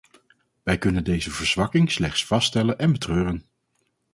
Wij kunnen deze verzwakking slechts vaststellen en betreuren.